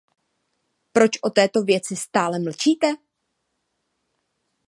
Proč o této věci stále mlčíte?